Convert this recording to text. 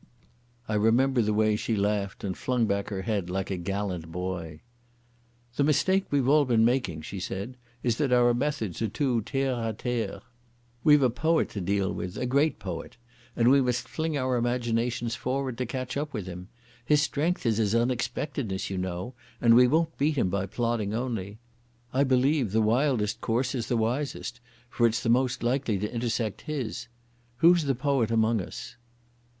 I remember the way she laughed and flung back her head like a gallant boy. "The mistake we've all been making," she said, "is that our methods are too terre à terre. We've a poet to deal with, a great poet, and we must fling our imaginations forward to catch up with him. His strength is his unexpectedness, you know, and we won't beat him by plodding only. I believe the wildest course is the wisest, for it's the most likely to intersect his.... Who's the poet among us?"